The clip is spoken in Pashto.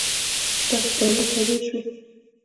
داسې درنې چاودنې وسوې.